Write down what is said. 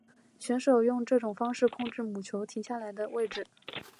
选手用这种方式控制母球停下来的位置。